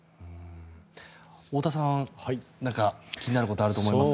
太田さん何か気になることあると思いますが。